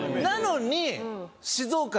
なのに。